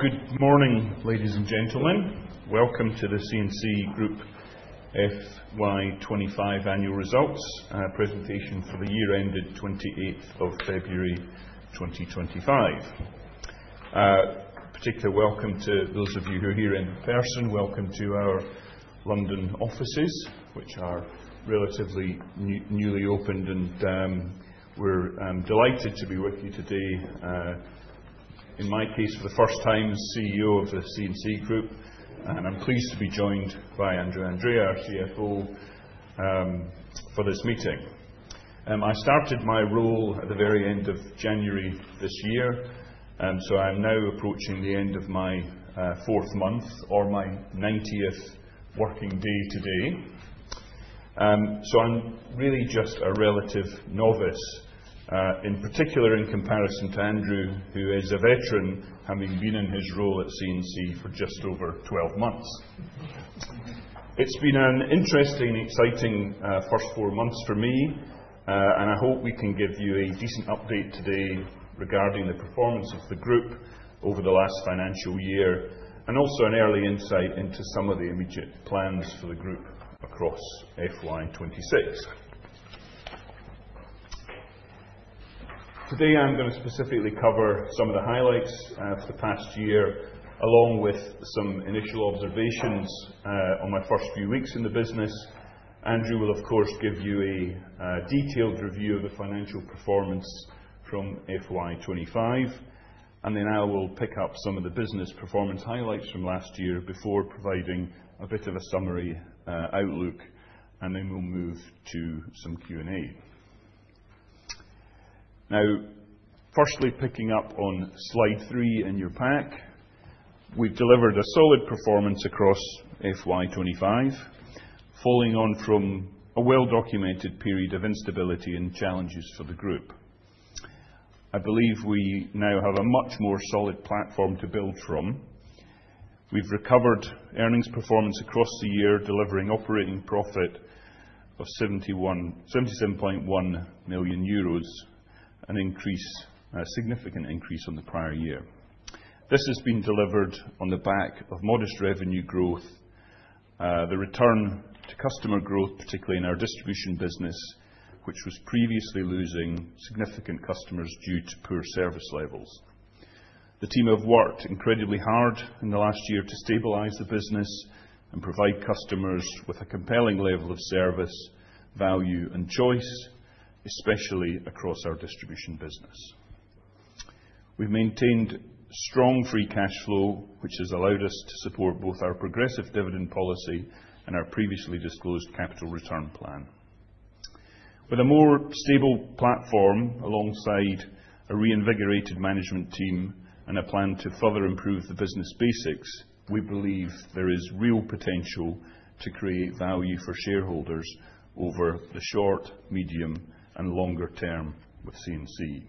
Good morning, ladies and gentlemen. Welcome to the C&C Group FY25 annual results presentation for the year ended 28th of February 2025. A particular welcome to those of you who are here in person. Welcome to our London offices, which are relatively newly opened, and we're delighted to be with you today. In my case, for the first time, as CEO of the C&C Group, I'm pleased to be joined by Andrew Andrea, our CFO, for this meeting. I started my role at the very end of January this year, so I'm now approaching the end of my fourth month or my 90th working day today. I'm really just a relative novice, in particular in comparison to Andrew, who is a veteran, having been in his role at C&C for just over 12 months. It's been an interesting, exciting first four months for me, and I hope we can give you a decent update today regarding the performance of the group over the last financial year and also an early insight into some of the immediate plans for the group across FY26. Today, I'm going to specifically cover some of the highlights for the past year, along with some initial observations on my first few weeks in the business. Andrew will, of course, give you a detailed review of the financial performance from FY25, and then I will pick up some of the business performance highlights from last year before providing a bit of a summary outlook, and then we'll move to some Q&A. Now, firstly, picking up on slide three in your pack, we've delivered a solid performance across FY25, following on from a well-documented period of instability and challenges for the group. I believe we now have a much more solid platform to build from. We've recovered earnings performance across the year, delivering operating profit of 77.1 million euros, a significant increase on the prior year. This has been delivered on the back of modest revenue growth, the return to customer growth, particularly in our distribution business, which was previously losing significant customers due to poor service levels. The team have worked incredibly hard in the last year to stabilize the business and provide customers with a compelling level of service, value, and choice, especially across our distribution business. We've maintained strong free cash flow, which has allowed us to support both our progressive dividend policy and our previously disclosed capital return plan. With a more stable platform alongside a reinvigorated management team and a plan to further improve the business basics, we believe there is real potential to create value for shareholders over the short, medium, and longer term with C&C.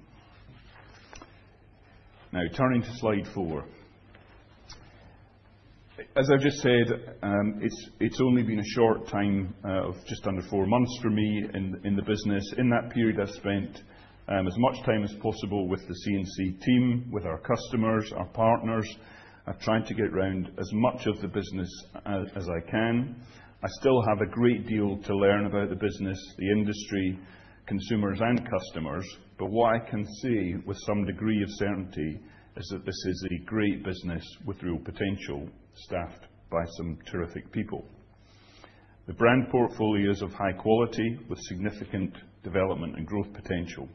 Now, turning to slide four. As I've just said, it's only been a short time of just under four months for me in the business. In that period, I've spent as much time as possible with the C&C team, with our customers, our partners, trying to get around as much of the business as I can. I still have a great deal to learn about the business, the industry, consumers, and customers, but what I can say with some degree of certainty is that this is a great business with real potential, staffed by some terrific people. The brand portfolio is of high quality with significant development and growth potential.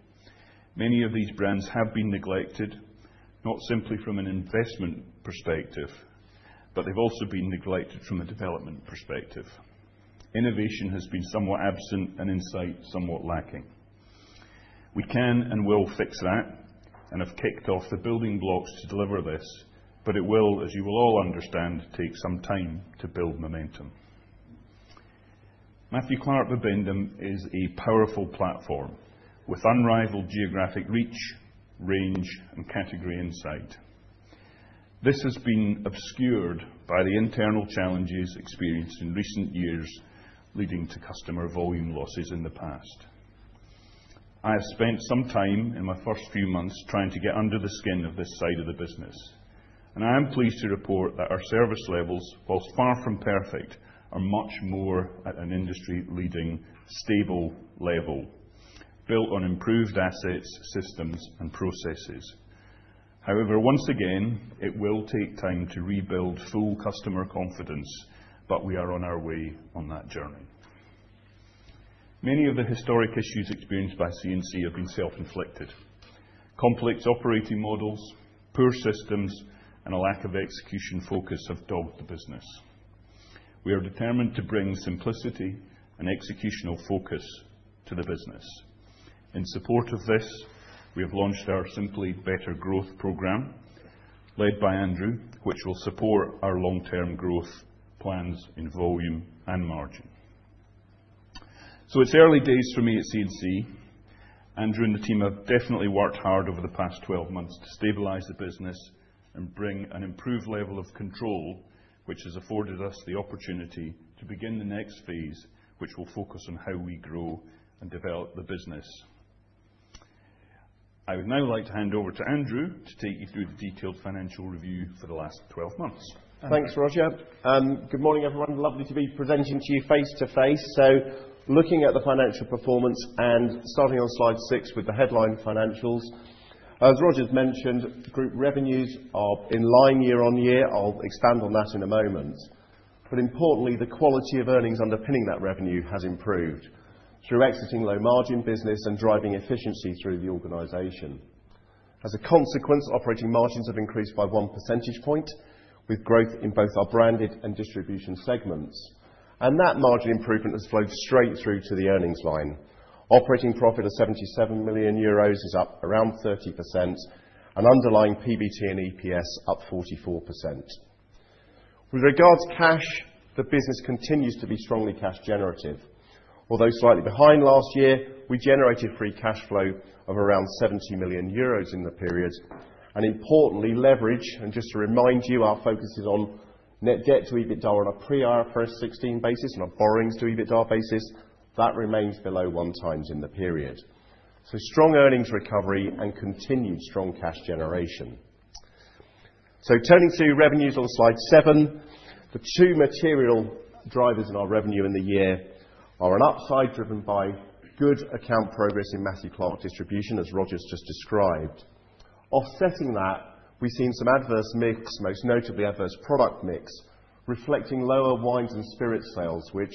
Many of these brands have been neglected, not simply from an investment perspective, but they've also been neglected from a development perspective. Innovation has been somewhat absent and insight somewhat lacking. We can and will fix that and have kicked off the building blocks to deliver this, but it will, as you will all understand, take some time to build momentum. Matthew Clark Bibendum is a powerful platform with unrivaled geographic reach, range, and category insight. This has been obscured by the internal challenges experienced in recent years, leading to customer volume losses in the past. I have spent some time in my first few months trying to get under the skin of this side of the business, and I am pleased to report that our service levels, whilst far from perfect, are much more at an industry-leading stable level, built on improved assets, systems, and processes. However, once again, it will take time to rebuild full customer confidence, but we are on our way on that journey. Many of the historic issues experienced by C&C have been self-inflicted. Complex operating models, poor systems, and a lack of execution focus have dogged the business. We are determined to bring simplicity and executional focus to the business. In support of this, we have launched our Simply Better Growth program, led by Andrew, which will support our long-term growth plans in volume and margin. It is early days for me at C&C. Andrew and the team have definitely worked hard over the past 12 months to stabilize the business and bring an improved level of control, which has afforded us the opportunity to begin the next phase, which will focus on how we grow and develop the business. I would now like to hand over to Andrew to take you through the detailed financial review for the last 12 months. Thanks, Roger. Good morning, everyone. Lovely to be presenting to you face to face. Looking at the financial performance and starting on slide six with the headline financials, as Roger's mentioned, group revenues are in line year on year. I'll expand on that in a moment. Importantly, the quality of earnings underpinning that revenue has improved through exiting low-margin business and driving efficiency through the organization. As a consequence, operating margins have increased by one percentage point with growth in both our branded and distribution segments. That margin improvement has flowed straight through to the earnings line. Operating profit of 77 million euros is up around 30%, and underlying PBT and EPS up 44%. With regards to cash, the business continues to be strongly cash generative. Although slightly behind last year, we generated free cash flow of around 70 million euros in the period. Importantly, leverage, and just to remind you, our focus is on net debt to EBITDA on a pre-IFRS 16 basis and a borrowings to EBITDA basis. That remains below one times in the period. Strong earnings recovery and continued strong cash generation. Turning to revenues on slide seven, the two material drivers in our revenue in the year are an upside driven by good account progress in Matthew Clark Distribution, as Roger's just described. Offsetting that, we've seen some adverse mix, most notably adverse product mix, reflecting lower wines and spirits sales, which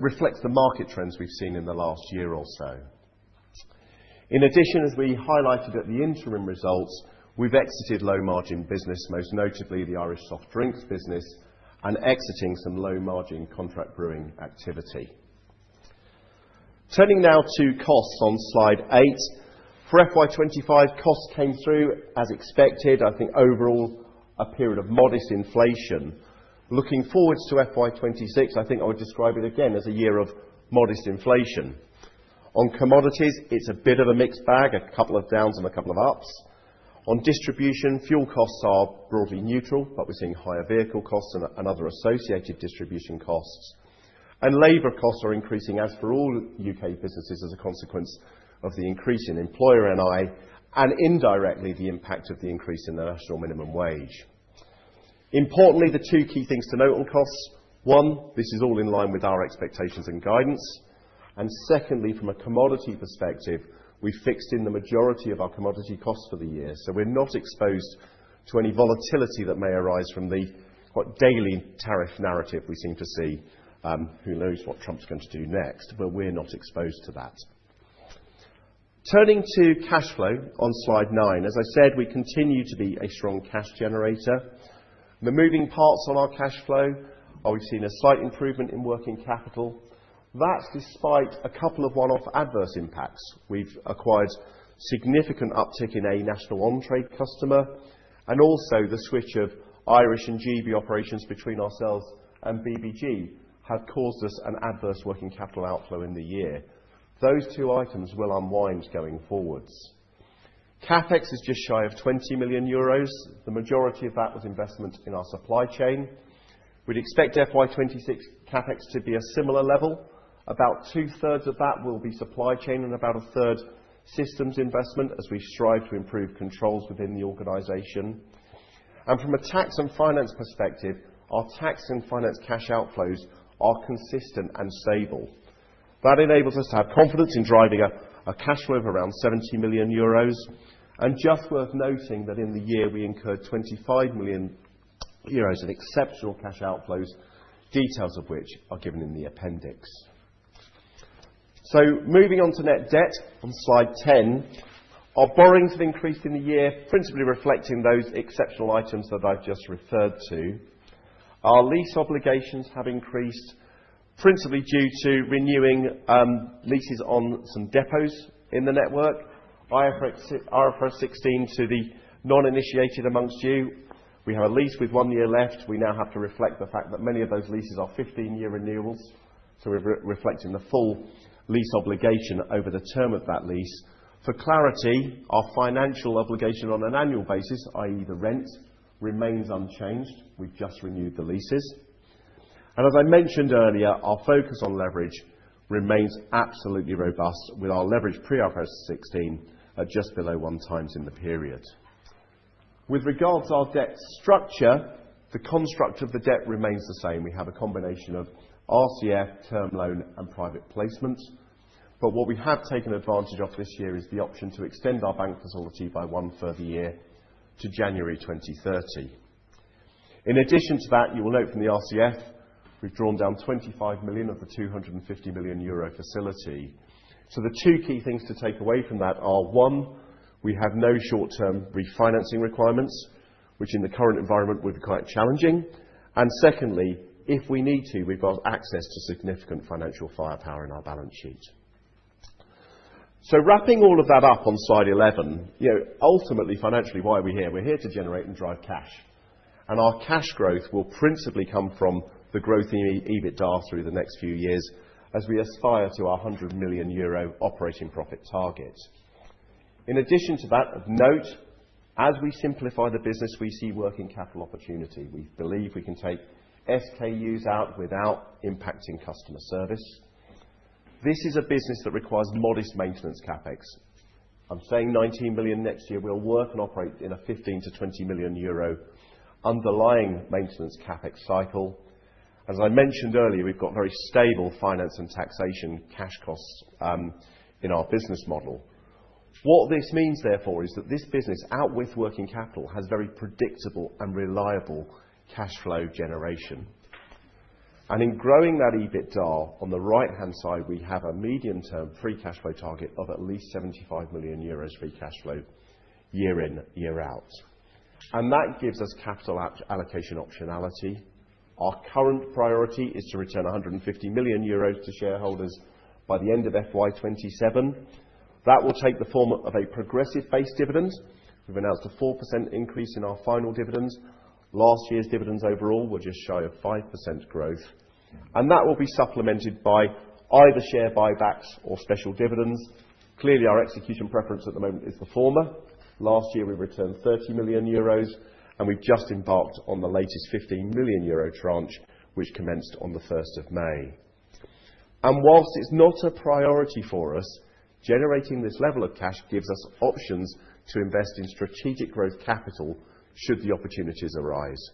reflects the market trends we've seen in the last year or so. In addition, as we highlighted at the interim results, we've exited low-margin business, most notably the Irish soft drinks business, and exiting some low-margin contract brewing activity. Turning now to costs on slide eight, for FY25, costs came through as expected, I think overall a period of modest inflation. Looking forward to FY26, I think I would describe it again as a year of modest inflation. On commodities, it's a bit of a mixed bag, a couple of downs and a couple of ups. On distribution, fuel costs are broadly neutral, but we're seeing higher vehicle costs and other associated distribution costs. Labor costs are increasing as for all U.K. businesses as a consequence of the increase in employer NI and indirectly the impact of the increase in the national minimum wage. Importantly, the two key things to note on costs, one, this is all in line with our expectations and guidance. Secondly, from a commodity perspective, we've fixed in the majority of our commodity costs for the year. We're not exposed to any volatility that may arise from the quite daily tariff narrative we seem to see. Who knows what Trump's going to do next, but we're not exposed to that. Turning to cash flow on slide nine, as I said, we continue to be a strong cash generator. The moving parts on our cash flow, we've seen a slight improvement in working capital. That's despite a couple of one-off adverse impacts. We've acquired significant uptick in a national on-trade customer, and also the switch of Irish and Great Britain operations between ourselves and Bibendum have caused us an adverse working capital outflow in the year. Those two items will unwind going forwards. CapEx is just shy of 20 million euros. The majority of that was investment in our supply chain. We'd expect FY26 CapEx to be a similar level. About two-thirds of that will be supply chain and about a third systems investment as we strive to improve controls within the organization. From a tax and finance perspective, our tax and finance cash outflows are consistent and stable. That enables us to have confidence in driving a cash flow of around 70 million euros. It is just worth noting that in the year, we incurred 25 million euros in exceptional cash outflows, details of which are given in the appendix. Moving on to net debt on slide ten, our borrowings have increased in the year, principally reflecting those exceptional items that I have just referred to. Our lease obligations have increased, principally due to renewing leases on some depots in the network. I referred 16 to the non-initiated amongst you. We have a lease with one year left. We now have to reflect the fact that many of those leases are 15-year renewals. So we're reflecting the full lease obligation over the term of that lease. For clarity, our financial obligation on an annual basis, i.e., the rent, remains unchanged. We've just renewed the leases. As I mentioned earlier, our focus on leverage remains absolutely robust with our leverage pre-IFRS 16 at just below one times in the period. With regards to our debt structure, the construct of the debt remains the same. We have a combination of RCF, term loan, and private placement. What we have taken advantage of this year is the option to extend our bank facility by one further year to January 2030. In addition to that, you will note from the RCF, we've drawn down 25 million of the 250 million euro facility. The two key things to take away from that are, one, we have no short-term refinancing requirements, which in the current environment would be quite challenging. Secondly, if we need to, we have got access to significant financial firepower in our balance sheet. Wrapping all of that up on slide 11, ultimately, financially, why are we here? We are here to generate and drive cash. Our cash growth will principally come from the growth in EBITDA through the next few years as we aspire to our 100 million euro operating profit target. In addition to that, of note, as we simplify the business, we see working capital opportunity. We believe we can take SKUs out without impacting customer service. This is a business that requires modest maintenance CapEx. I am saying 19 million next year. We will work and operate in a 15 million-20 million euro underlying maintenance CapEx cycle. As I mentioned earlier, we've got very stable finance and taxation cash costs in our business model. What this means, therefore, is that this business, out with working capital, has very predictable and reliable cash flow generation. In growing that EBITDA on the right-hand side, we have a medium-term free cash flow target of at least 75 million euros free cash flow year in, year out. That gives us capital allocation optionality. Our current priority is to return 150 million euros to shareholders by the end of FY2027. That will take the form of a progressive-based dividend. We've announced a 4% increase in our final dividends. Last year's dividends overall were just shy of 5% growth. That will be supplemented by either share buybacks or special dividends. Clearly, our execution preference at the moment is the former. Last year, we returned 30 million euros, and we've just embarked on the latest 15 million euro tranche, which commenced on the 1st of May. Whilst it's not a priority for us, generating this level of cash gives us options to invest in strategic growth capital should the opportunities arise.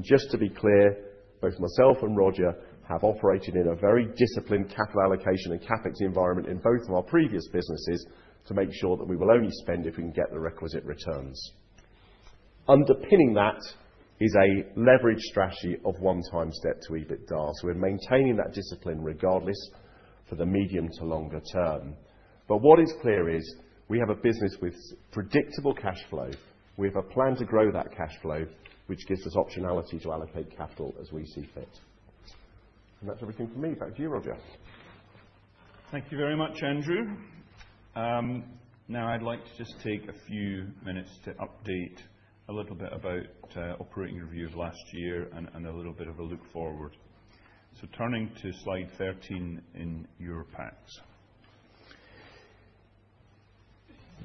Just to be clear, both myself and Roger have operated in a very disciplined capital allocation and CapEx environment in both of our previous businesses to make sure that we will only spend if we can get the requisite returns. Underpinning that is a leverage strategy of one-time step to EBITDA. We're maintaining that discipline regardless for the medium to longer term. What is clear is we have a business with predictable cash flow. We have a plan to grow that cash flow, which gives us optionality to allocate capital as we see fit. That's everything for me. Back to you, Roger. Thank you very much, Andrew. Now, I'd like to just take a few minutes to update a little bit about operating review of last year and a little bit of a look forward. Turning to slide 13 in your packs.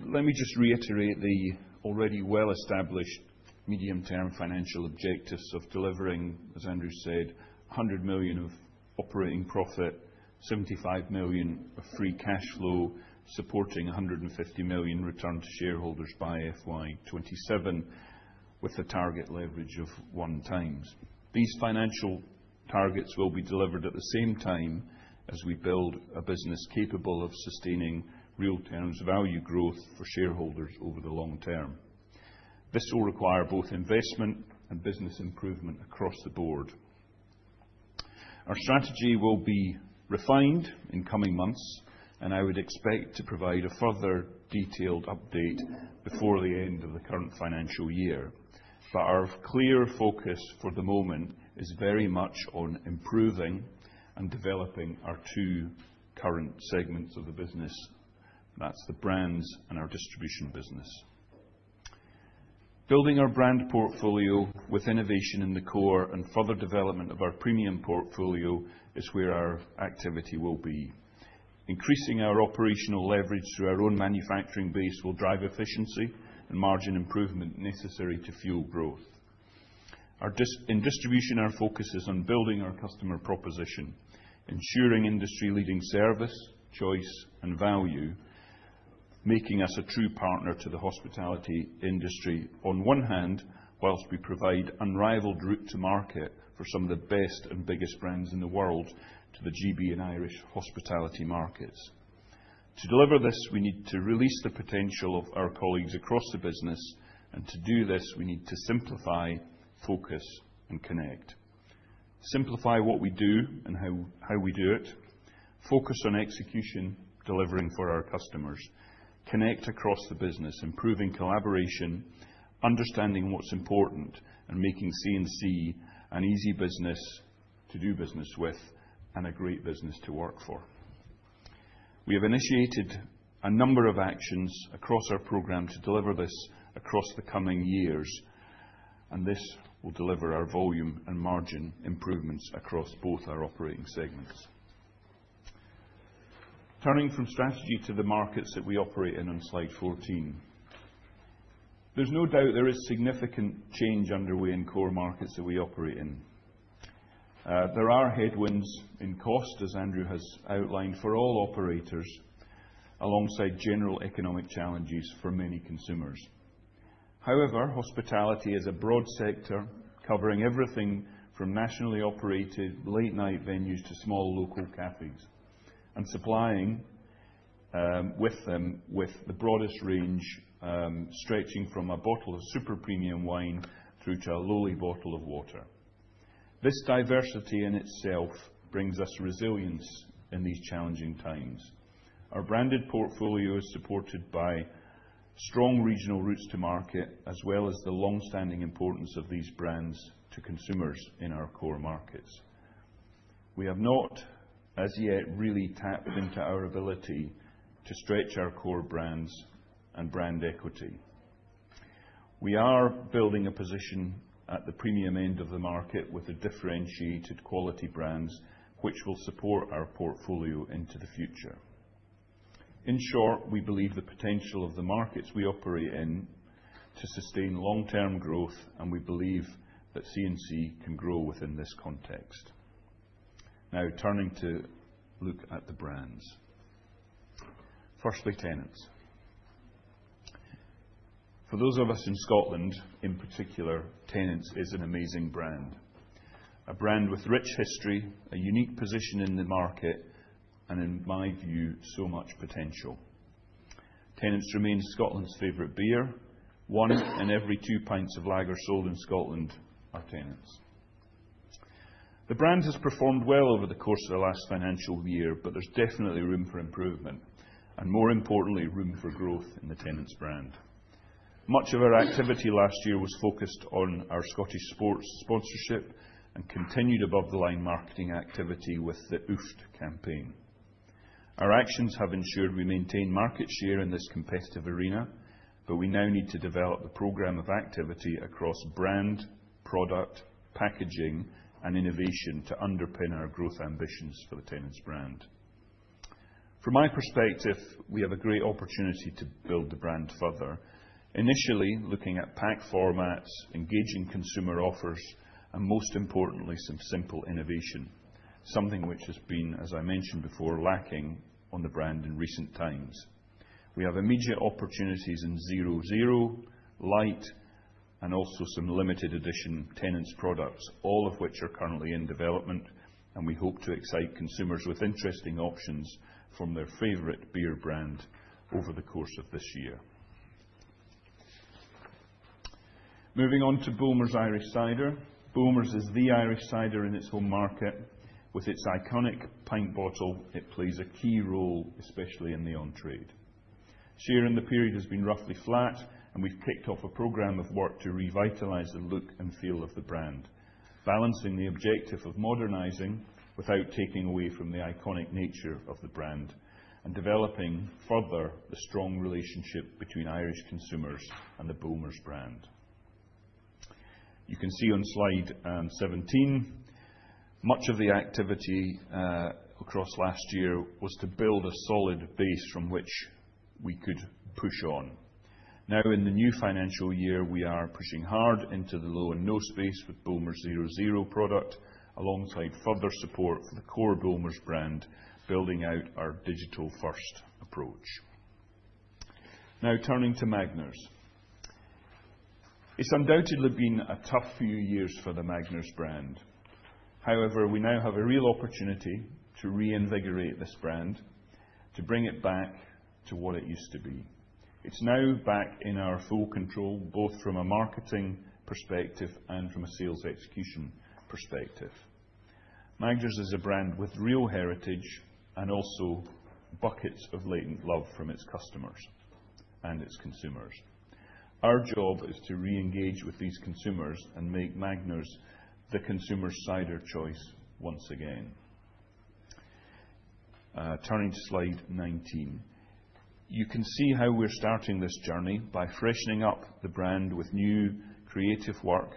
Let me just reiterate the already well-established medium-term financial objectives of delivering, as Andrew said, 100 million of operating profit, 75 million of free cash flow, supporting 150 million return to shareholders by FY 2027 with a target leverage of one times. These financial targets will be delivered at the same time as we build a business capable of sustaining real-term value growth for shareholders over the long term. This will require both investment and business improvement across the board. Our strategy will be refined in coming months, and I would expect to provide a further detailed update before the end of the current financial year. Our clear focus for the moment is very much on improving and developing our two current segments of the business. That is the brands and our distribution business. Building our brand portfolio with innovation in the core and further development of our premium portfolio is where our activity will be. Increasing our operational leverage through our own manufacturing base will drive efficiency and margin improvement necessary to fuel growth. In distribution, our focus is on building our customer proposition, ensuring industry-leading service, choice, and value, making us a true partner to the hospitality industry on one hand, whilst we provide unrivaled route to market for some of the best and biggest brands in the world to the GB and Irish hospitality markets. To deliver this, we need to release the potential of our colleagues across the business. To do this, we need to simplify, focus, and connect. Simplify what we do and how we do it, focus on execution, delivering for our customers, connect across the business, improving collaboration, understanding what's important, and making C&C an easy business to do business with and a great business to work for. We have initiated a number of actions across our program to deliver this across the coming years, and this will deliver our volume and margin improvements across both our operating segments. Turning from strategy to the markets that we operate in on slide 14, there is no doubt there is significant change underway in core markets that we operate in. There are headwinds in cost, as Andrew has outlined, for all operators, alongside general economic challenges for many consumers. However, hospitality is a broad sector covering everything from nationally operated late-night venues to small local cafes and supplying them with the broadest range, stretching from a bottle of super premium wine through to a lowly bottle of water. This diversity in itself brings us resilience in these challenging times. Our branded portfolio is supported by strong regional routes to market, as well as the long-standing importance of these brands to consumers in our core markets. We have not, as yet, really tapped into our ability to stretch our core brands and brand equity. We are building a position at the premium end of the market with differentiated quality brands, which will support our portfolio into the future. In short, we believe the potential of the markets we operate in to sustain long-term growth, and we believe that C&C can grow within this context. Now, turning to look at the brands. Firstly, Tennent's. For those of us in Scotland, in particular, Tennent's is an amazing brand. A brand with rich history, a unique position in the market, and, in my view, so much potential. Tennent's remains Scotland's favorite beer. One in every two pints of lager sold in Scotland are Tennent's. The brand has performed well over the course of the last financial year, but there's definitely room for improvement and, more importantly, room for growth in the Tennent's brand. Much of our activity last year was focused on our Scottish sports sponsorship and continued above-the-line marketing activity with the OOFT campaign. Our actions have ensured we maintain market share in this competitive arena, but we now need to develop the program of activity across brand, product, packaging, and innovation to underpin our growth ambitions for the Tennent's brand. From my perspective, we have a great opportunity to build the brand further, initially looking at pack formats, engaging consumer offers, and, most importantly, some simple innovation, something which has been, as I mentioned before, lacking on the brand in recent times. We have immediate opportunities in 0.0, light, and also some limited-edition Tennent's products, all of which are currently in development, and we hope to excite consumers with interesting options from their favorite beer brand over the course of this year. Moving on to Bulmers Irish cider. Bulmers is the Irish cider in its home market. With its iconic pint bottle, it plays a key role, especially in the on-trade. Share in the period has been roughly flat, and we've kicked off a program of work to revitalize the look and feel of the brand, balancing the objective of modernizing without taking away from the iconic nature of the brand and developing further the strong relationship between Irish consumers and the Bulmers brand. You can see on slide 17, much of the activity across last year was to build a solid base from which we could push on. Now, in the new financial year, we are pushing hard into the low and no space with Bulmers 0.0 product alongside further support for the core Bulmers brand, building out our digital-first approach. Now, turning to Magners. It's undoubtedly been a tough few years for the Magners brand. However, we now have a real opportunity to reinvigorate this brand, to bring it back to what it used to be. It's now back in our full control, both from a marketing perspective and from a sales execution perspective. Magners is a brand with real heritage and also buckets of latent love from its customers and its consumers. Our job is to reengage with these consumers and make Magners the consumer cider choice once again. Turning to slide 19, you can see how we're starting this journey by freshening up the brand with new creative work,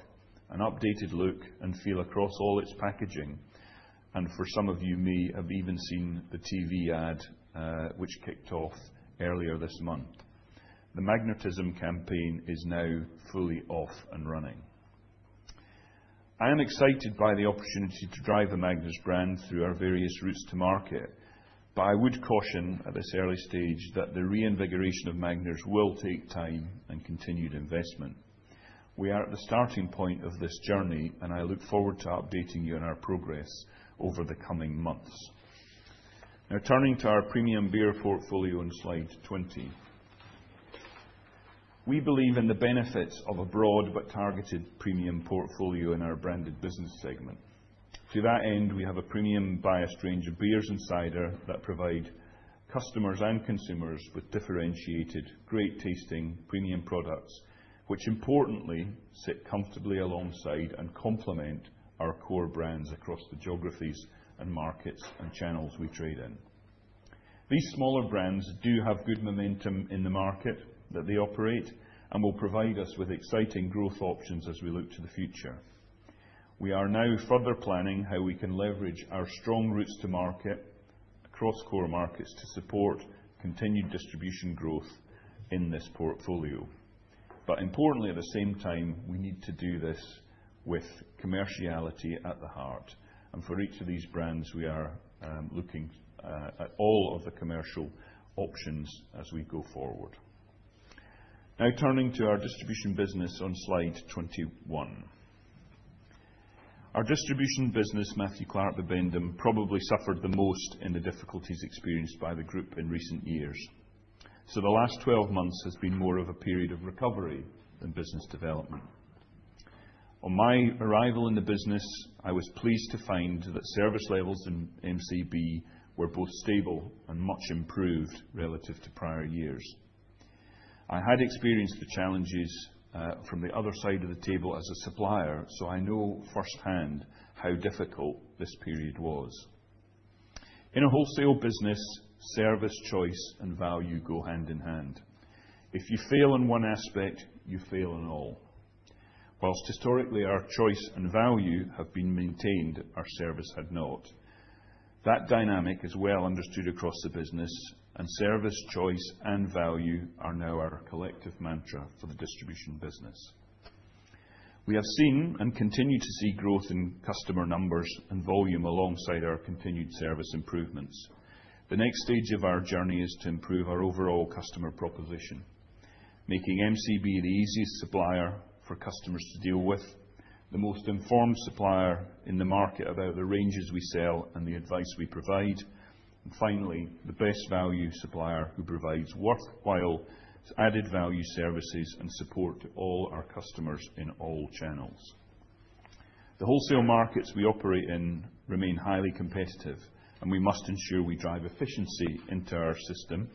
an updated look and feel across all its packaging. For some of you, you may have even seen the TV ad which kicked off earlier this month. The magnetism campaign is now fully off and running. I am excited by the opportunity to drive the Magners brand through our various routes to market, but I would caution at this early stage that the reinvigoration of Magners will take time and continued investment. We are at the starting point of this journey, and I look forward to updating you on our progress over the coming months. Now, turning to our premium beer portfolio on slide 20, we believe in the benefits of a broad but targeted premium portfolio in our branded business segment. To that end, we have a premium biased range of beers and cider that provide customers and consumers with differentiated, great-tasting premium products, which importantly sit comfortably alongside and complement our core brands across the geographies and markets and channels we trade in. These smaller brands do have good momentum in the market that they operate and will provide us with exciting growth options as we look to the future. We are now further planning how we can leverage our strong routes to market across core markets to support continued distribution growth in this portfolio. Importantly, at the same time, we need to do this with commerciality at the heart. For each of these brands, we are looking at all of the commercial options as we go forward. Now, turning to our distribution business on slide 21, our distribution business, Matthew Clark Bibendum, probably suffered the most in the difficulties experienced by the group in recent years. The last 12 months has been more of a period of recovery than business development. On my arrival in the business, I was pleased to find that service levels in MCB were both stable and much improved relative to prior years. I had experienced the challenges from the other side of the table as a supplier, so I know firsthand how difficult this period was. In a wholesale business, service, choice, and value go hand in hand. If you fail in one aspect, you fail in all. Whilst historically, our choice and value have been maintained, our service had not. That dynamic is well understood across the business, and service, choice, and value are now our collective mantra for the distribution business. We have seen and continue to see growth in customer numbers and volume alongside our continued service improvements. The next stage of our journey is to improve our overall customer proposition, making MCB the easiest supplier for customers to deal with, the most informed supplier in the market about the ranges we sell and the advice we provide, and finally, the best value supplier who provides worthwhile added value services and support to all our customers in all channels. The wholesale markets we operate in remain highly competitive, and we must ensure we drive efficiency into our system,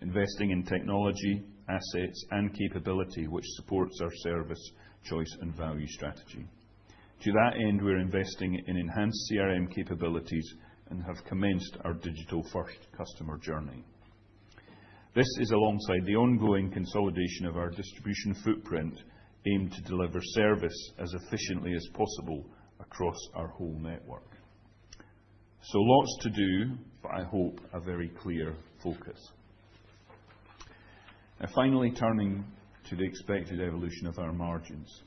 investing in technology, assets, and capability which supports our service, choice, and value strategy. To that end, we're investing in enhanced CRM capabilities and have commenced our digital-first customer journey. This is alongside the ongoing consolidation of our distribution footprint aimed to deliver service as efficiently as possible across our whole network. Lots to do, but I hope a very clear focus. Now, finally, turning to the expected evolution of our margins.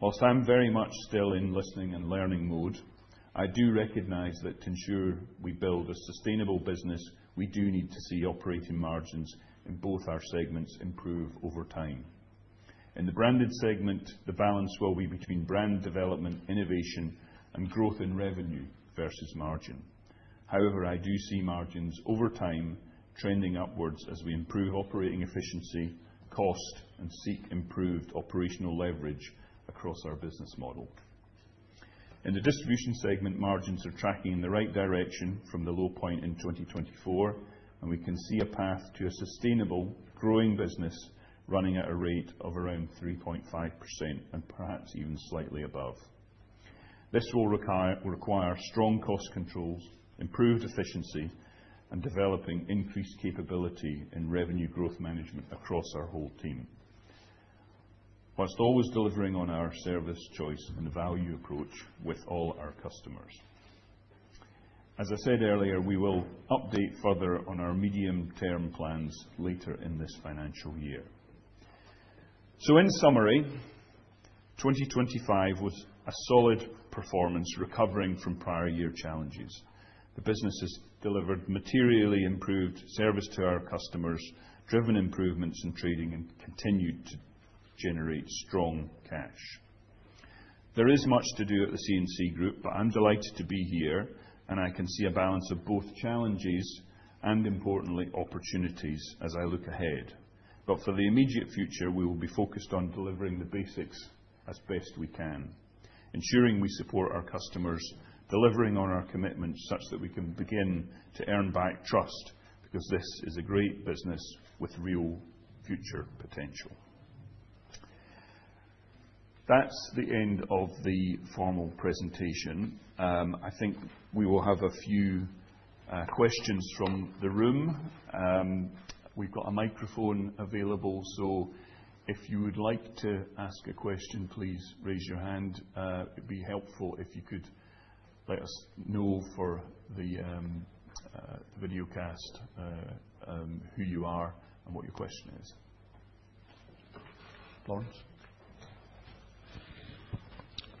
Whilst I'm very much still in listening and learning mode, I do recognize that to ensure we build a sustainable business, we do need to see operating margins in both our segments improve over time. In the branded segment, the balance will be between brand development, innovation, and growth in revenue versus margin. However, I do see margins over time trending upwards as we improve operating efficiency, cost, and seek improved operational leverage across our business model. In the distribution segment, margins are tracking in the right direction from the low point in 2024, and we can see a path to a sustainable, growing business running at a rate of around 3.5% and perhaps even slightly above. This will require strong cost controls, improved efficiency, and developing increased capability in revenue growth management across our whole team, whilst always delivering on our service, choice, and value approach with all our customers. As I said earlier, we will update further on our medium-term plans later in this financial year. In summary, 2025 was a solid performance, recovering from prior year challenges. The business has delivered materially improved service to our customers, driven improvements in trading, and continued to generate strong cash. There is much to do at the C&C Group, but I'm delighted to be here, and I can see a balance of both challenges and, importantly, opportunities as I look ahead. For the immediate future, we will be focused on delivering the basics as best we can, ensuring we support our customers, delivering on our commitment such that we can begin to earn back trust because this is a great business with real future potential. That's the end of the formal presentation. I think we will have a few questions from the room. We've got a microphone available, so if you would like to ask a question, please raise your hand. It'd be helpful if you could let us know for the videocast who you are and what your question is.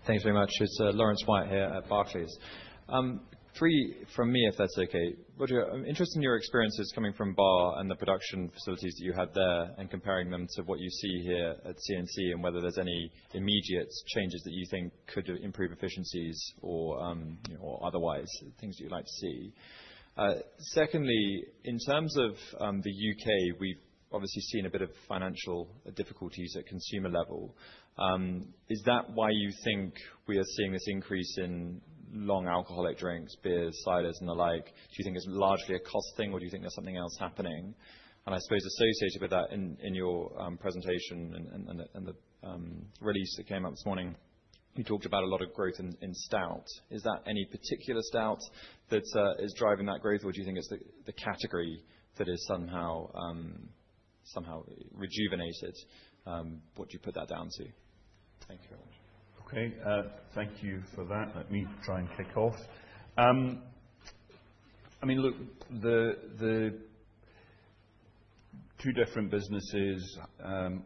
Lawrence. Thanks very much. It's Lawrence White here at Barclays. Three from me, if that's okay. I'm interested in your experiences coming from Barr and the production facilities that you had there and comparing them to what you see here at C&C and whether there's any immediate changes that you think could improve efficiencies or otherwise, things that you'd like to see. Secondly, in terms of the U.K., we've obviously seen a bit of financial difficulties at consumer level. Is that why you think we are seeing this increase in long alcoholic drinks, beers, ciders, and the like? Do you think it's largely a cost thing, or do you think there's something else happening? I suppose associated with that in your presentation and the release that came out this morning, you talked about a lot of growth in stout. Is that any particular stout that is driving that growth, or do you think it's the category that is somehow rejuvenated? What do you put that down to? Thank you very much. Okay. Thank you for that. Let me try and kick off. I mean, look, the two different businesses,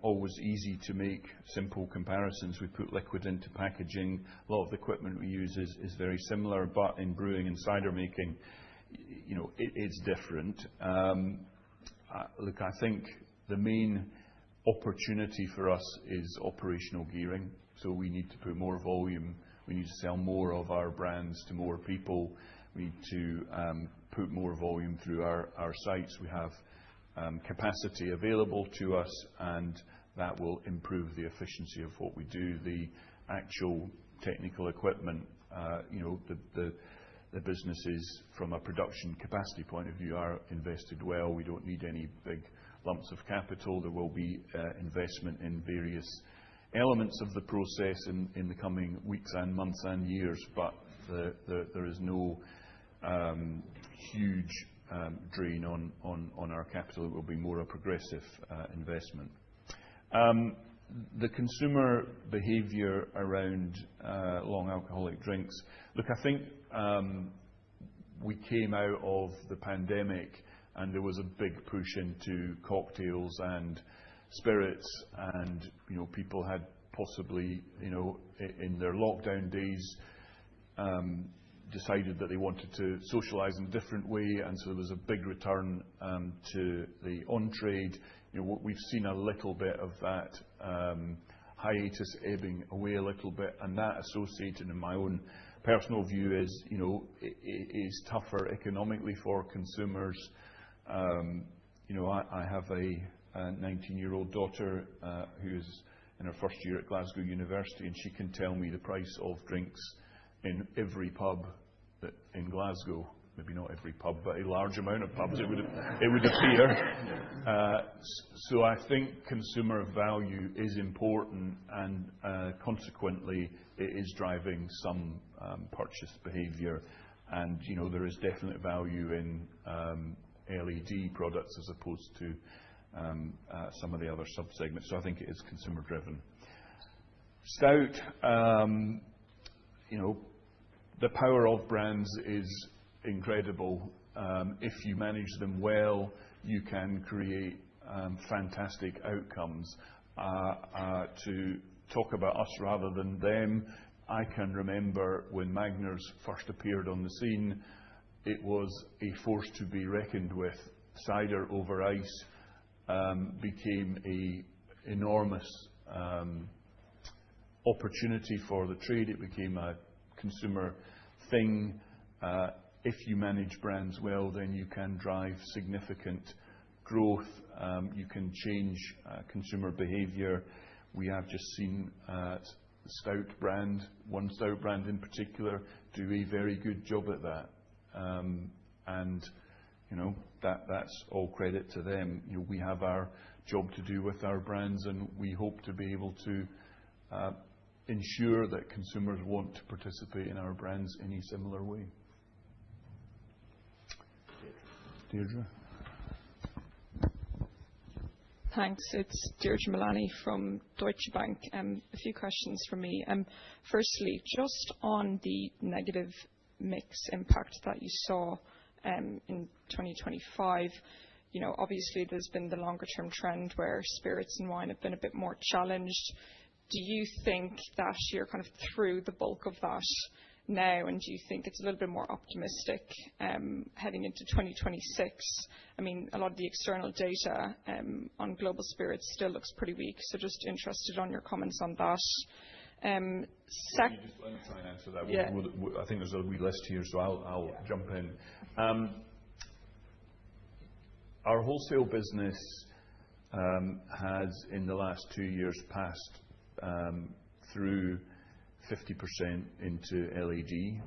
always easy to make simple comparisons. We put liquid into packaging. A lot of the equipment we use is very similar, but in brewing and cider making, it is different. Look, I think the main opportunity for us is operational gearing. We need to put more volume. We need to sell more of our brands to more people. We need to put more volume through our sites. We have capacity available to us, and that will improve the efficiency of what we do. The actual technical equipment, the businesses from a production capacity point of view are invested well. We do not need any big lumps of capital. There will be investment in various elements of the process in the coming weeks and months and years, but there is no huge drain on our capital. It will be more a progressive investment. The consumer behavior around long alcoholic drinks, look, I think we came out of the pandemic, and there was a big push into cocktails and spirits, and people had possibly, in their lockdown days, decided that they wanted to socialize in a different way. There was a big return to the on-trade. We've seen a little bit of that hiatus ebbing away a little bit. That associated, in my own personal view, is tougher economically for consumers. I have a 19-year-old daughter who is in her first year at Glasgow University, and she can tell me the price of drinks in every pub in Glasgow. Maybe not every pub, but a large amount of pubs, it would appear. I think consumer value is important, and consequently, it is driving some purchase behavior. There is definite value in LED products as opposed to some of the other subsegments. I think it is consumer-driven. Stout, the power of brands is incredible. If you manage them well, you can create fantastic outcomes. To talk about us rather than them, I can remember when Magners first appeared on the scene, it was a force to be reckoned with. Cider over ice became an enormous opportunity for the trade. It became a consumer thing. If you manage brands well, then you can drive significant growth. You can change consumer behavior. We have just seen one stout brand in particular do a very good job at that. That is all credit to them. We have our job to do with our brands, and we hope to be able to ensure that consumers want to participate in our brands in a similar way. Deirdre. Thanks. It's Deirdre Mullaney from Deutsche Bank. A few questions for me. Firstly, just on the negative mix impact that you saw in 2025, obviously, there's been the longer-term trend where spirits and wine have been a bit more challenged. Do you think that you're kind of through the bulk of that now, and do you think it's a little bit more optimistic heading into 2026? I mean, a lot of the external data on global spirits still looks pretty weak. Just interested on your comments on that. Second. Can you just let me try and answer that? I think there's a wee list here, so I'll jump in. Our wholesale business has, in the last two years, passed through 50% into LED.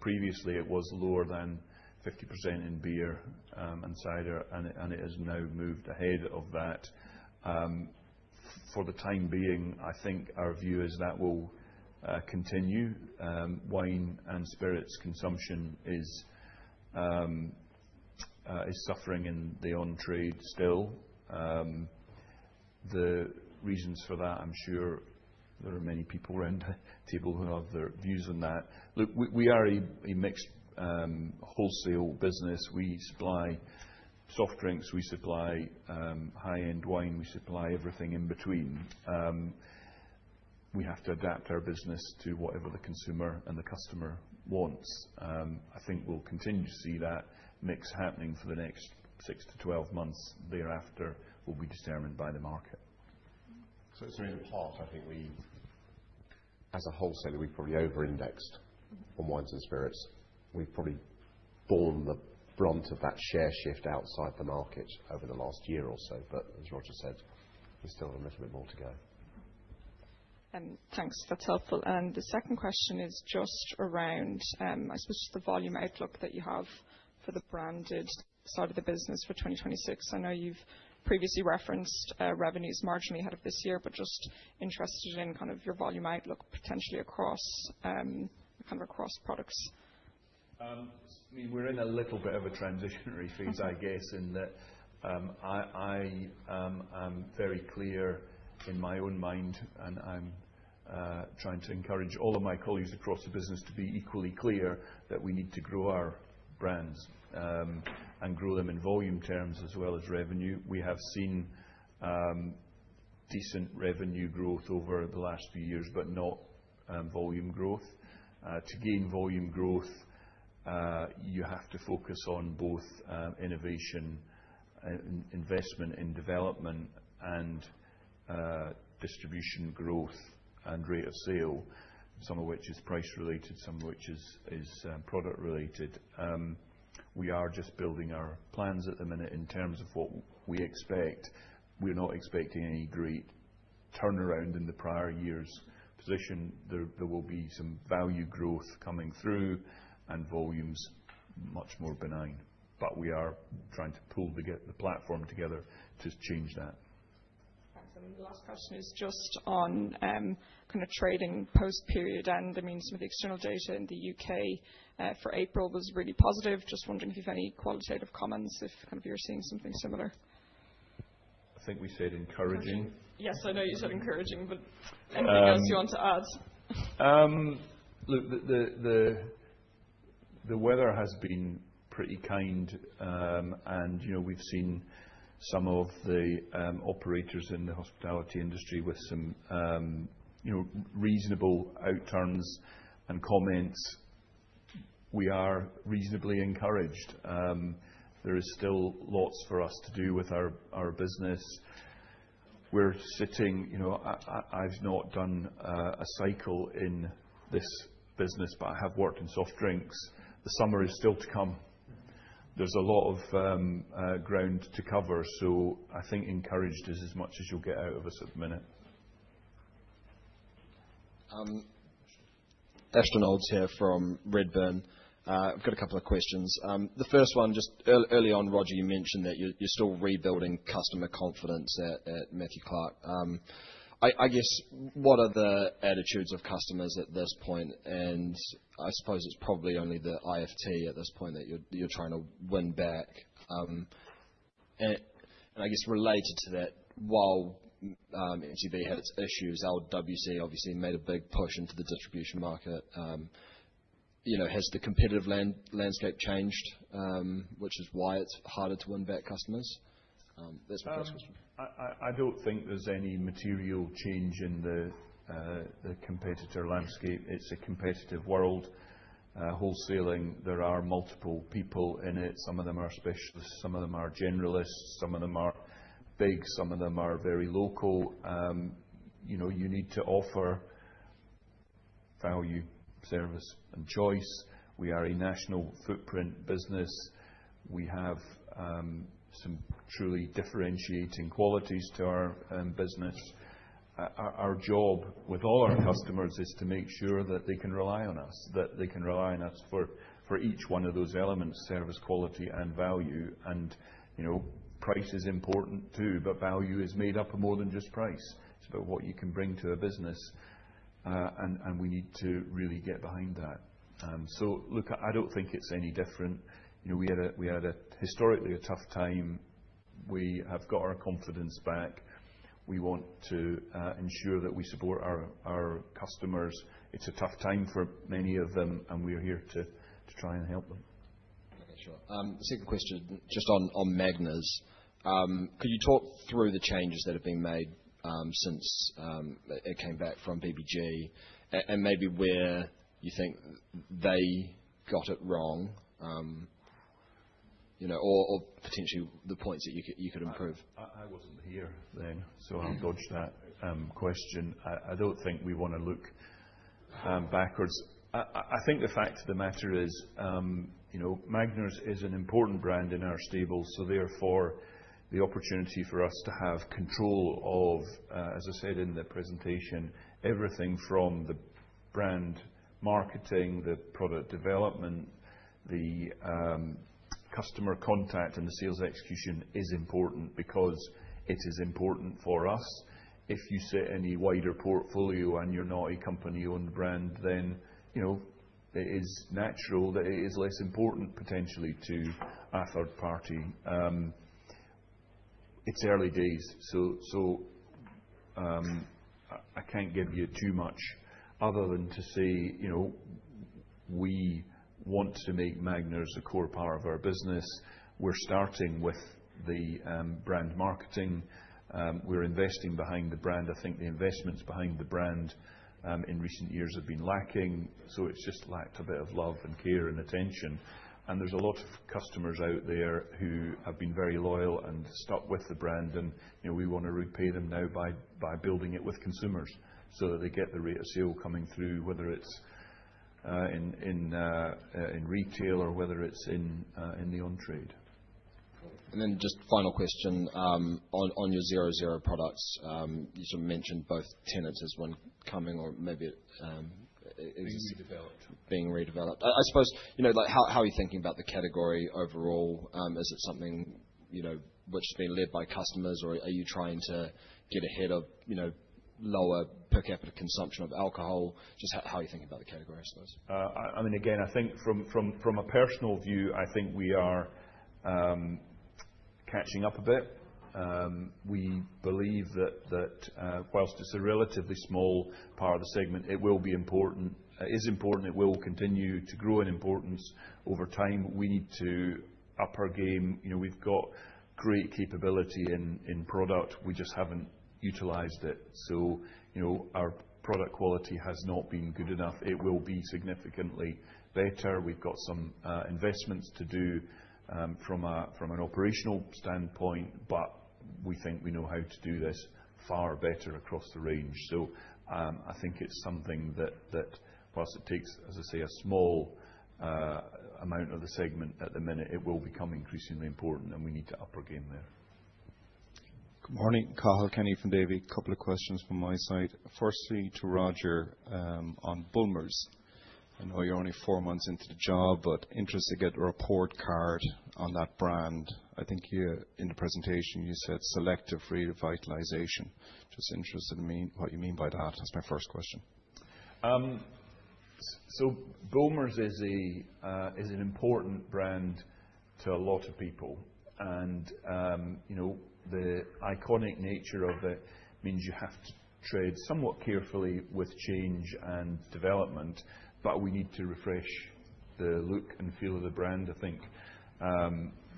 Previously, it was lower than 50% in beer and cider, and it has now moved ahead of that. For the time being, I think our view is that will continue. Wine and spirits consumption is suffering in the on-trade still. The reasons for that, I'm sure there are many people around the table who have their views on that. Look, we are a mixed wholesale business. We supply soft drinks. We supply high-end wine. We supply everything in between. We have to adapt our business to whatever the consumer and the customer wants. I think we'll continue to see that mix happening for the next 6-12 months. Thereafter, we'll be determined by the market. In part, I think we, as a wholesaler, we've probably over-indexed on wines and spirits. We've probably borne the brunt of that share shift outside the market over the last year or so. As Roger said, there's still a little bit more to go. Thanks. That's helpful. The second question is just around, I suppose, just the volume outlook that you have for the branded side of the business for 2026. I know you've previously referenced revenues marginally ahead of this year, but just interested in kind of your volume outlook potentially across products. I mean, we're in a little bit of a transitionary phase, I guess, in that I am very clear in my own mind, and I'm trying to encourage all of my colleagues across the business to be equally clear that we need to grow our brands and grow them in volume terms as well as revenue. We have seen decent revenue growth over the last few years, but not volume growth. To gain volume growth, you have to focus on both innovation, investment in development, and distribution growth and rate of sale, some of which is price-related, some of which is product-related. We are just building our plans at the minute in terms of what we expect. We're not expecting any great turnaround in the prior year's position. There will be some value growth coming through and volumes much more benign. We are trying to pull the platform together to change that. Thanks. The last question is just on kind of trading post-period. I mean, some of the external data in the U.K. for April was really positive. Just wondering if you have any qualitative comments if kind of you're seeing something similar. I think we said encouraging. Yes, I know you said encouraging, but anything else you want to add? Look, the weather has been pretty kind, and we've seen some of the operators in the hospitality industry with some reasonable outcomes and comments. We are reasonably encouraged. There is still lots for us to do with our business. We're sitting, I've not done a cycle in this business, but I have worked in soft drinks. The summer is still to come. There's a lot of ground to cover. I think encouraged is as much as you'll get out of us at the minute. Question. Question. Question. Question. Question. Question. Question. Question. Externals here from Redburn. I've got a couple of questions. The first one, just early on, Roger, you mentioned that you're still rebuilding customer confidence at Matthew Clark. I guess, what are the attitudes of customers at this point? I suppose it's probably only the IFT at this point that you're trying to win back. I guess related to that, while MTB had its issues, LWC obviously made a big push into the distribution market. Has the competitive landscape changed, which is why it's harder to win back customers? That's my first question. I don't think there's any material change in the competitor landscape. It's a competitive world. Wholesaling, there are multiple people in it. Some of them are specialists. Some of them are generalists. Some of them are big. Some of them are very local. You need to offer value, service, and choice. We are a national footprint business. We have some truly differentiating qualities to our business. Our job with all our customers is to make sure that they can rely on us, that they can rely on us for each one of those elements: service, quality, and value. Price is important too, but value is made up of more than just price. It is about what you can bring to a business. We need to really get behind that. I do not think it is any different. We had historically a tough time. We have got our confidence back. We want to ensure that we support our customers. It is a tough time for many of them, and we are here to try and help them. Okay. Sure. Second question just on Magners. Could you talk through the changes that have been made since it came back from BBG and maybe where you think they got it wrong or potentially the points that you could improve? I wasn't here then, so I'll dodge that question. I don't think we want to look backwards. I think the fact of the matter is Magners is an important brand in our stable, so therefore the opportunity for us to have control of, as I said in the presentation, everything from the brand marketing, the product development, the customer contact, and the sales execution is important because it is important for us. If you set any wider portfolio and you're not a company-owned brand, then it is natural that it is less important potentially to a third party. It's early days. I can't give you too much other than to say we want to make Magners a core part of our business. We're starting with the brand marketing. We're investing behind the brand. I think the investments behind the brand in recent years have been lacking. It just lacked a bit of love and care and attention. There are a lot of customers out there who have been very loyal and stuck with the brand, and we want to repay them now by building it with consumers so that they get the rate of sale coming through, whether it is in retail or whether it is in the on-trade. Just final question. On your 0.0 products, you sort of mentioned both Tennent's as one coming or maybe it is being redeveloped. Being redeveloped. I suppose, how are you thinking about the category overall? Is it something which has been led by customers, or are you trying to get ahead of lower per capita consumption of alcohol? Just how are you thinking about the category, I suppose? I mean, again, I think from a personal view, I think we are catching up a bit. We believe that whilst it's a relatively small part of the segment, it will be important. It is important. It will continue to grow in importance over time. We need to up our game. We've got great capability in product. We just haven't utilized it. Our product quality has not been good enough. It will be significantly better. We've got some investments to do from an operational standpoint, but we think we know how to do this far better across the range. I think it's something that whilst it takes, as I say, a small amount of the segment at the minute, it will become increasingly important, and we need to up our game there. Good morning. Carhill Kenny from Davie. Couple of questions from my side. Firstly to Roger on Bulmers. I know you're only four months into the job, but interested to get a report card on that brand. I think in the presentation you said selective revitalization. Just interested in what you mean by that. That's my first question. Bulmers is an important brand to a lot of people. The iconic nature of it means you have to trade somewhat carefully with change and development, but we need to refresh the look and feel of the brand, I think,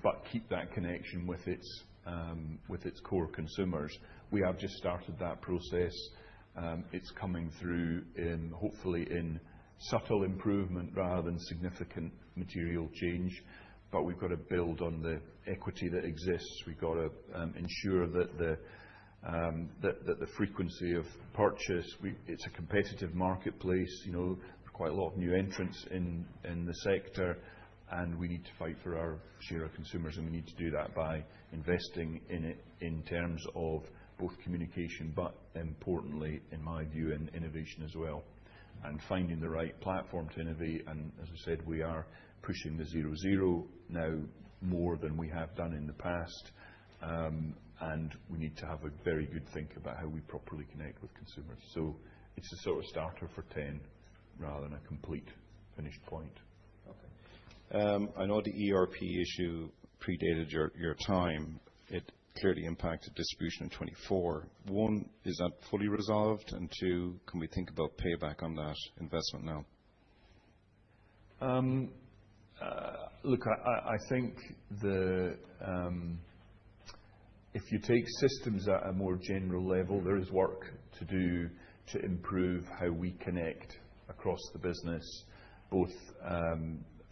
but keep that connection with its core consumers. We have just started that process. It's coming through hopefully in subtle improvement rather than significant material change. We have to build on the equity that exists. We have to ensure that the frequency of purchase, it's a competitive marketplace. There are quite a lot of new entrants in the sector, and we need to fight for our share of consumers, and we need to do that by investing in it in terms of both communication, but importantly, in my view, in innovation as well, and finding the right platform to innovate. As I said, we are pushing the 0.0 now more than we have done in the past. We need to have a very good think about how we properly connect with consumers. It is a sort of starter for 10 rather than a complete finished point. Okay. I know the ERP issue predated your time. It clearly impacted distribution in 2024. One, is that fully resolved? Two, can we think about payback on that investment now? Look, I think if you take systems at a more general level, there is work to do to improve how we connect across the business, both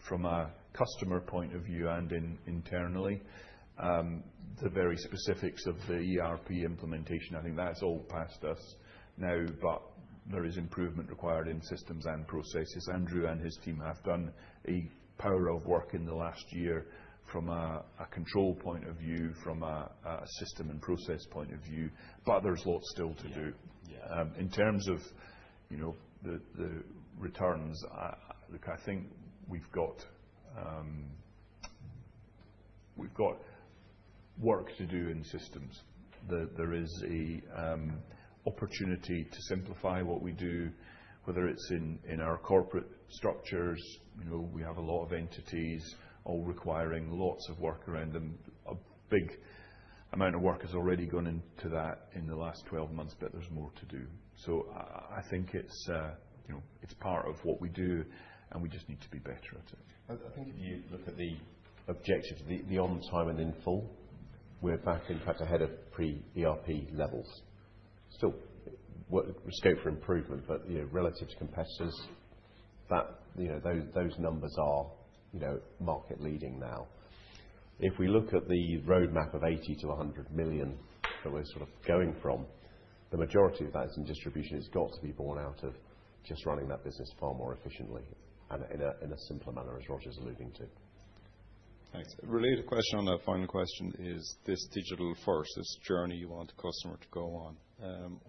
from a customer point of view and internally. The very specifics of the ERP implementation, I think that's all past us now, but there is improvement required in systems and processes. Andrew and his team have done a power of work in the last year from a control point of view, from a system and process point of view. There's lots still to do. In terms of the returns, look, I think we've got work to do in systems. There is an opportunity to simplify what we do, whether it's in our corporate structures. We have a lot of entities all requiring lots of work around them. A big amount of work has already gone into that in the last 12 months, but there's more to do. I think it's part of what we do, and we just need to be better at it. I think if you look at the objectives, the on-time and in full, we're back, in fact, ahead of pre-ERP levels. Still, we're scared for improvement, but relative to competitors, those numbers are market-leading now. If we look at the roadmap of 80 million-100 million that we're sort of going from, the majority of that is in distribution. It's got to be borne out of just running that business far more efficiently and in a simpler manner, as Roger's alluding to. Thanks. Related question on that final question is this digital first, this journey you want the customer to go on.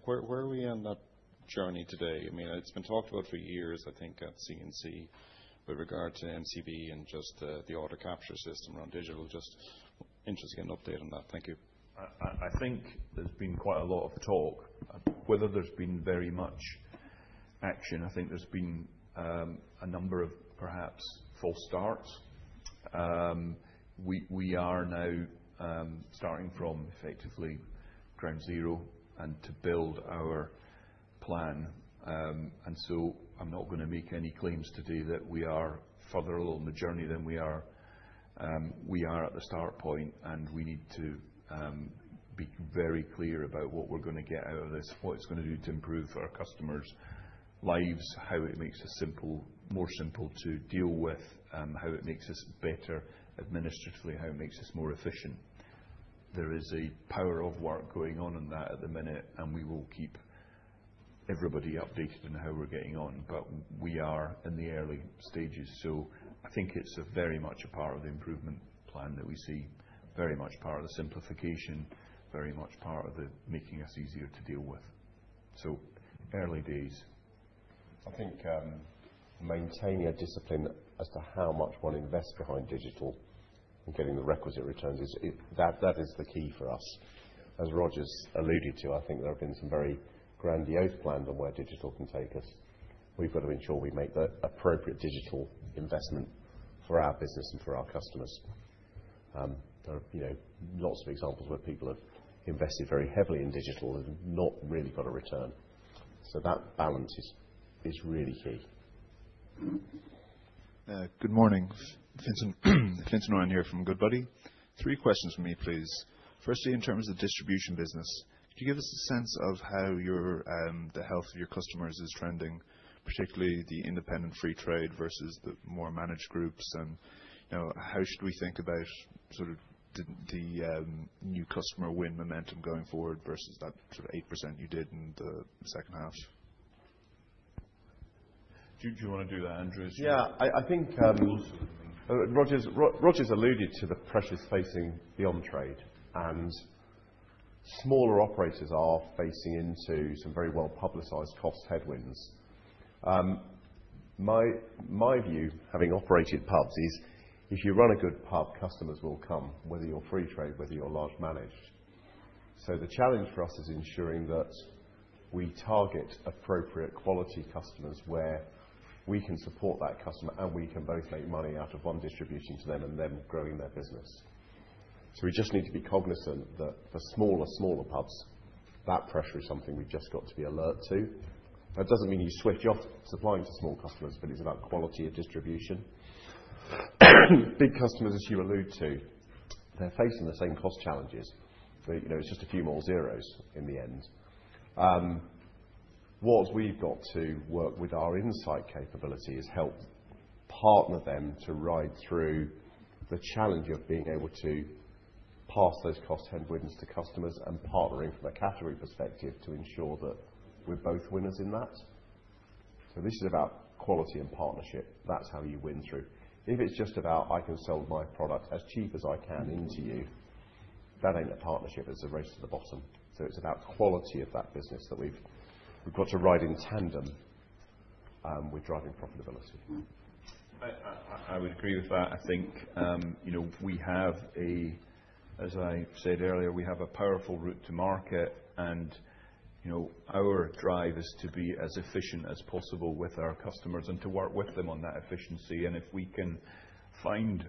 Where are we on that journey today? I mean, it's been talked about for years, I think, at C&C with regard to MTB and just the order capture system around digital. Just interesting update on that. Thank you. I think there's been quite a lot of talk, whether there's been very much action. I think there's been a number of perhaps false starts. We are now starting from effectively ground zero to build our plan. I am not going to make any claims today that we are further along the journey than we are. We are at the start point, and we need to be very clear about what we're going to get out of this, what it's going to do to improve our customers' lives, how it makes us simple, more simple to deal with, how it makes us better administratively, how it makes us more efficient. There is a power of work going on in that at the minute, and we will keep everybody updated on how we're getting on, but we are in the early stages. I think it's very much a part of the improvement plan that we see, very much part of the simplification, very much part of the making us easier to deal with. Early days. I think maintaining a discipline as to how much one invests behind digital and getting the requisite returns, that is the key for us. As Roger's alluded to, I think there have been some very grandiose plans on where digital can take us. We've got to ensure we make the appropriate digital investment for our business and for our customers. There are lots of examples where people have invested very heavily in digital and have not really got a return. That balance is really key. Good morning. Vincent Nguyen here from Goodbody. Three questions for me, please. Firstly, in terms of the distribution business, could you give us a sense of how the health of your customers is trending, particularly the independent free trade versus the more managed groups? How should we think about sort of the new customer win momentum going forward versus that sort of 8% you did in the second half? Do you want to do that, Andrew? Yeah. I think Roger's alluded to the pressures facing the on-trade, and smaller operators are facing into some very well-publicized cost headwinds. My view, having operated pubs, is if you run a good pub, customers will come, whether you're free trade, whether you're large managed. The challenge for us is ensuring that we target appropriate quality customers where we can support that customer and we can both make money out of one distributing to them and them growing their business. We just need to be cognizant that for smaller, smaller pubs, that pressure is something we've just got to be alert to. That doesn't mean you switch off supplying to small customers, but it's about quality of distribution. Big customers, as you alluded to, they're facing the same cost challenges. It's just a few more zeros in the end. What we've got to work with our insight capability is help partner them to ride through the challenge of being able to pass those cost headwinds to customers and partnering from a category perspective to ensure that we're both winners in that. This is about quality and partnership. That's how you win through. If it's just about, "I can sell my product as cheap as I can into you," that ain't a partnership. It's a race to the bottom. It is about quality of that business that we've got to ride in tandem with driving profitability. I would agree with that. I think we have a, as I said earlier, we have a powerful route to market, and our drive is to be as efficient as possible with our customers and to work with them on that efficiency. If we can find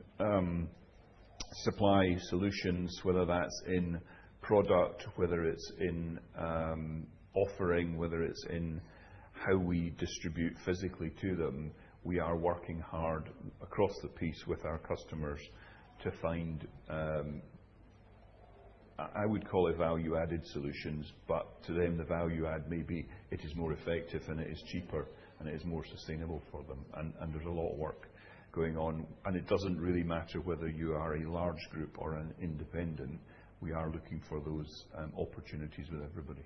supply solutions, whether that's in product, whether it's in offering, whether it's in how we distribute physically to them, we are working hard across the piece with our customers to find, I would call it, value-added solutions. To them, the value-add may be it is more effective and it is cheaper and it is more sustainable for them. There is a lot of work going on. It does not really matter whether you are a large group or an independent. We are looking for those opportunities with everybody.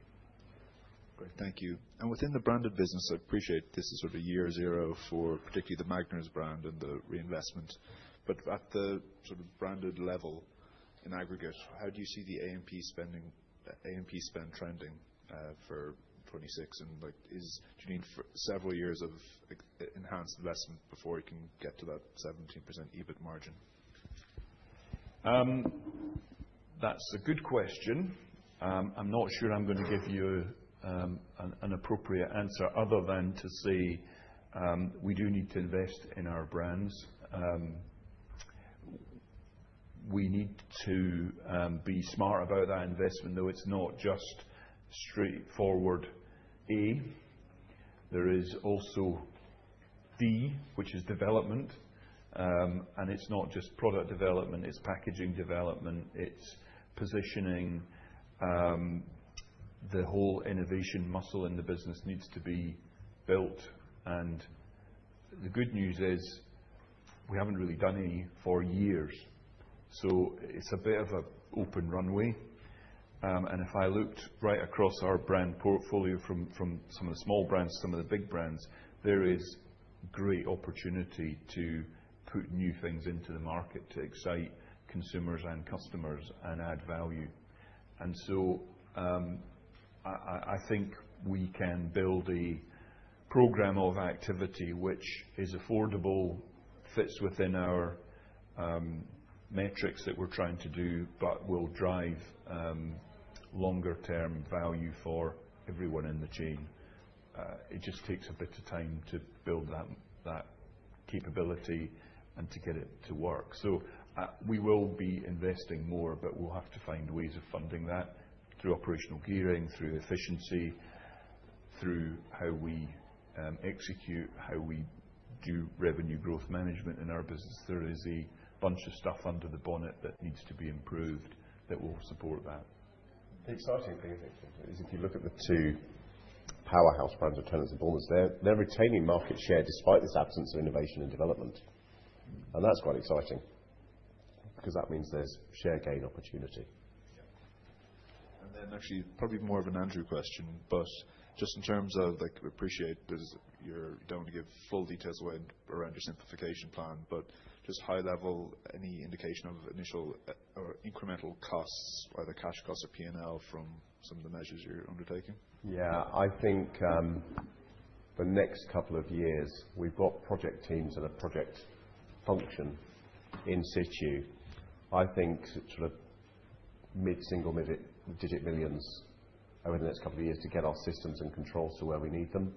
Great. Thank you. Within the branded business, I appreciate this is sort of year zero for particularly the Magners brand and the reinvestment. At the sort of branded level in aggregate, how do you see the AMP spend trending for 2026? Do you need several years of enhanced investment before you can get to that 17% EBIT margin? That is a good question. I am not sure I am going to give you an appropriate answer other than to say we do need to invest in our brands. We need to be smart about that investment, though it is not just straightforward A. There is also D, which is development. It is not just product development. It is packaging development. It is positioning. The whole innovation muscle in the business needs to be built. The good news is we have not really done any for years. It is a bit of an open runway. If I looked right across our brand portfolio from some of the small brands, some of the big brands, there is great opportunity to put new things into the market to excite consumers and customers and add value. I think we can build a program of activity which is affordable, fits within our metrics that we are trying to do, but will drive longer-term value for everyone in the chain. It just takes a bit of time to build that capability and to get it to work. We will be investing more, but we'll have to find ways of funding that through operational gearing, through efficiency, through how we execute, how we do revenue growth management in our business. There is a bunch of stuff under the bonnet that needs to be improved that will support that. The exciting thing, I think, is if you look at the two powerhouse brands, Tennent's and Bulmers, they're retaining market share despite this absence of innovation and development. That is quite exciting because that means there is share gain opportunity. Actually, probably more of an Andrew question, but just in terms of I appreciate you do not want to give full details away around your simplification plan, but just high-level, any indication of initial or incremental costs, either cash costs or P&L from some of the measures you are undertaking? Yeah. I think the next couple of years, we've got project teams and a project function in situ. I think sort of mid-single digit millions over the next couple of years to get our systems and controls to where we need them.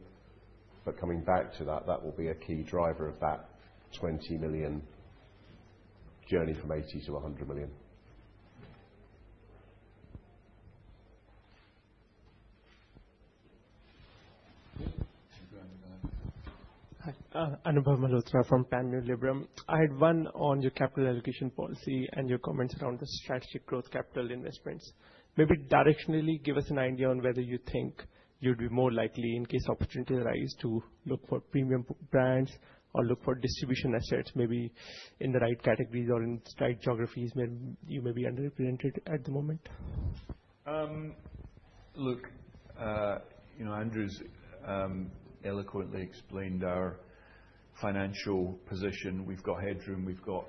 That will be a key driver of that 20 million journey from 80 million-100 million. Hi. I'm Anubhav Malhotra from Panmure Liberum. I had one on your capital allocation policy and your comments around the strategic growth capital investments. Maybe directionally, give us an idea on whether you think you'd be more likely, in case opportunities arise, to look for premium brands or look for distribution assets, maybe in the right categories or in the right geographies where you may be underrepresented at the moment. Look, Andrew's eloquently explained our financial position. We've got headroom. We've got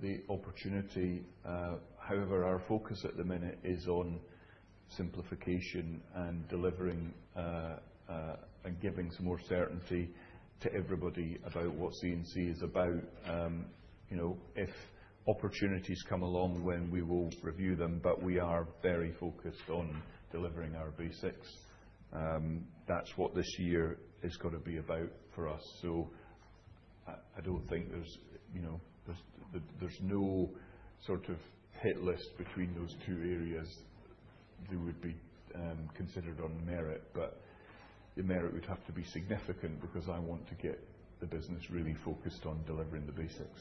the opportunity. However, our focus at the minute is on simplification and delivering and giving some more certainty to everybody about what C&C is about. If opportunities come along, we will review them, but we are very focused on delivering our basics. That is what this year is going to be about for us. I do not think there is no sort of hit list between those two areas that would be considered on merit, but the merit would have to be significant because I want to get the business really focused on delivering the basics.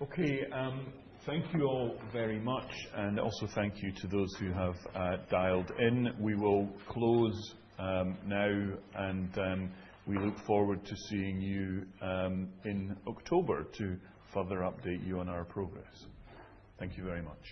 Okay. Thank you all very much. Also, thank you to those who have dialed in. We will close now, and we look forward to seeing you in October to further update you on our progress. Thank you very much.